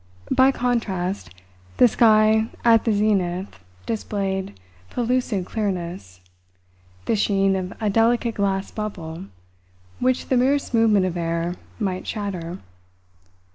By contrast, the sky at the zenith displayed pellucid clearness, the sheen of a delicate glass bubble which the merest movement of air might shatter.